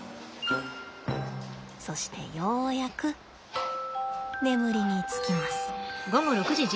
そしてようやく眠りにつきます。